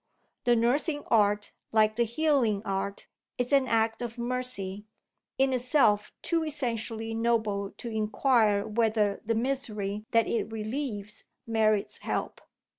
the nursing art, like the healing art, is an act of mercy in itself too essentially noble to inquire whether the misery that it relieves merits help.